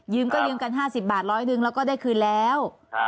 ก็ยืมกัน๕๐บาทร้อยหนึ่งแล้วก็ได้คืนแล้ว